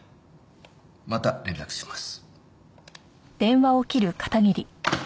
また連絡します。